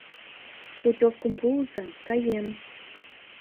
— Путёвкым пуыза, каем.